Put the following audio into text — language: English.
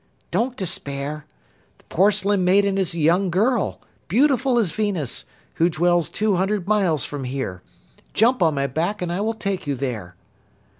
'Don't despair! the Porcelain Maiden is a young girl, beautiful as Venus, who dwells two hundred miles from here. Jump on my back and I will take you there.